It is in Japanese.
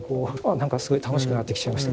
何かすごい楽しくなってきちゃいました。